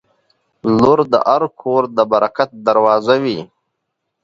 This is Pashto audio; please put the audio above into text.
• لور د هر کور د برکت دروازه وي.